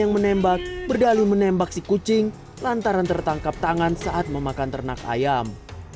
yang menembak berdali menembak si kucing lantaran tertangkap tangan saat memakan ternak ayam